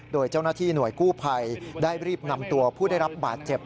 โดยเจ้าหน้าที่หน่วยกู้ภัยได้รีบนำตัวผู้ได้รับบาดเจ็บ